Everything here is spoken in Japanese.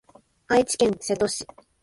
愛知県瀬戸市